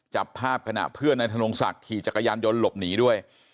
จับภาพขณะเพื่อนนายธนงศักดิ์ขี่จักรยานยนต์หลบหนีด้วย